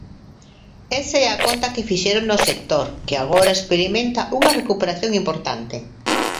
Ese é a conta que fixeron no sector, que agora experimenta unha recuperación importante.